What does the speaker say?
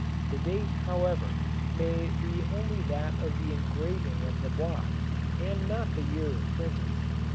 The date, however, may be only that of the engraving of the block, and not the year of printing.